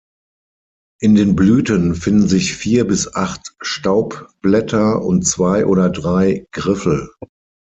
In den Blüten finden sich vier bis acht Staubblätter und zwei oder drei Griffel.